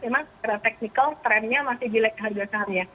karena technical trendnya masih di like harga saham